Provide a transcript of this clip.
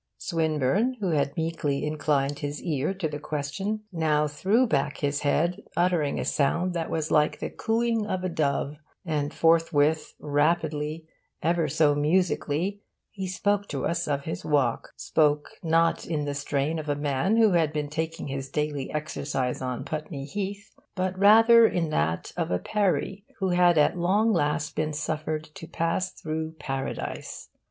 Swinburne, who had meekly inclined his ear to the question, now threw back his head, uttering a sound that was like the cooing of a dove, and forthwith, rapidly, ever so musically, he spoke to us of his walk; spoke not in the strain of a man who had been taking his daily exercise on Putney Heath, but rather in that of a Peri who had at long last been suffered to pass through Paradise.